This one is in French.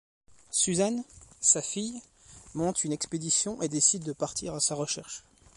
Susan, sa fille, monte une expédition et décide de partir à sa recherche.